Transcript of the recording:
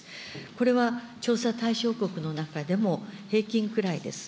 これは調査対象国の中でも、平均くらいです。